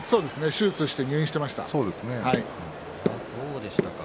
手術して入院していました。